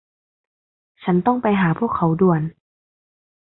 ฉันต้องไปหาพวกเขาด่วน